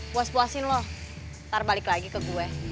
puas puasin loh ntar balik lagi ke gue